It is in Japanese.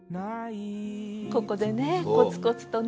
ここでねコツコツとね。